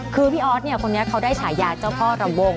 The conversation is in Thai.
คือพี่ออสเนี่ยคนนี้เขาได้ฉายาเจ้าพ่อรำวง